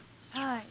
はい。